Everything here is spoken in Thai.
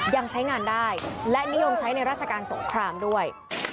ยังใช้งานได้และนิยมใช้ในราชการสงครามด้วย